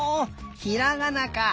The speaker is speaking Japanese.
ひらがなか！